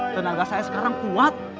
tenaga saya sekarang kuat